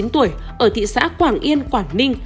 bốn mươi tuổi ở thị xã quảng yên quảng ninh